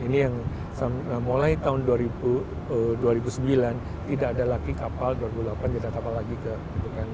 ini yang mulai tahun dua ribu sembilan tidak ada lagi kapal dua ribu delapan tidak kapal lagi ke gitu kan